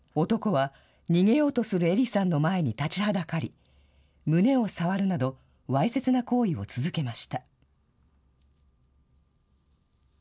男は逃げようとするえりさんの前に立ちはだかり、胸を触るなど、わいせつな行為を続けました。